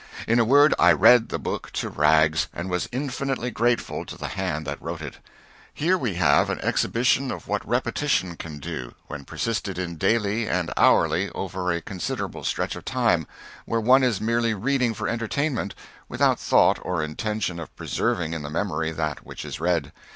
In a word, I read the book to rags, and was infinitely grateful to the hand that wrote it. Here we have an exhibition of what repetition can do, when persisted in daily and hourly over a considerable stretch of time, where one is merely reading for entertainment, without thought or intention of preserving in the memory that which is read.